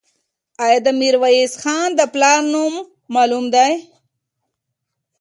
آیا د میرویس خان د پلار نوم معلوم دی؟